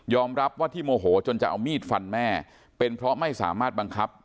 รับว่าที่โมโหจนจะเอามีดฟันแม่เป็นเพราะไม่สามารถบังคับ